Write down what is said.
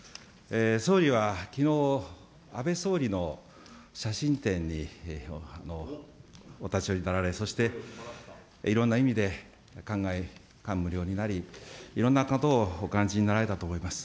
総理はきのう、安倍総理の写真展にお立ち寄りになられ、そして、いろんな意味で感慨、感無量になり、いろんなことをお感じになられたと思います。